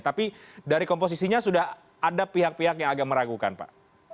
tapi dari komposisinya sudah ada pihak pihak yang agak meragukan pak